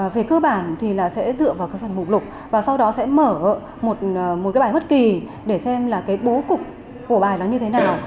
về cơ bản thì sẽ dựa vào phần mục lục và sau đó sẽ mở một bài bất kỳ để xem bố cục của bài nó như thế nào